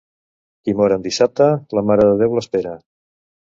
Qui mor en dissabte, la Mare de Déu l'espera.